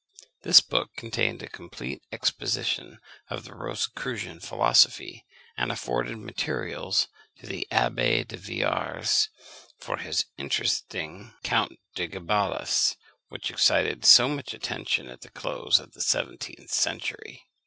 This book contained a complete exposition of the Rosicrucian philosophy, and afforded materials to the Abbé de Villars for his interesting Count de Gabalis, which excited so much attention at the close of the seventeenth century.